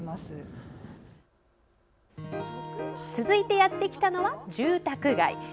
続いてやってきたのは住宅街。